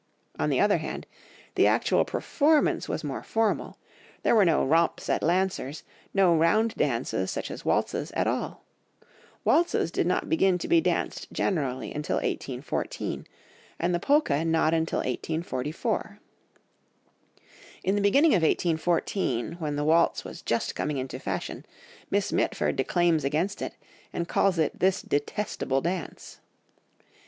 On the other hand, the actual performance was more formal; there were no romps at lancers, no round dances such as waltzes at all; waltzes did not begin to be danced generally until 1814, and the polka not until 1844. In the beginning of 1814, when the waltz was just coming into fashion, Miss Mitford declaims against it, and calls it this "detestable dance."